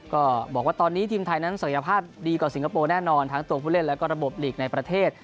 ก็บอกว่าตอนนี้ทีมไทยนั้นศักยภาพดีกว่าสิงคโปร์แน่นอนทั้งตัวผู้เล่นแล้วก็ระบบหลีกในประเทศ